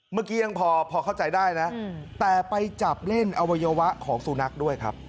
เมื่อกี้ยังพอเข้าใจได้นะแต่ไปจับเล่นอวัยวะของสุนัขด้วยครับ